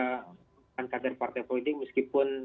bukan kader partai politik meskipun